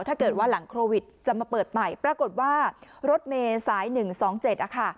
ถ้าเกิดว่าหลังโควิดจะมาเปิดใหม่ปรากฏว่ารถเมษายนึงสองเจ็ดอะค่ะ